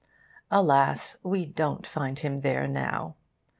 Alas, we don't find him there now.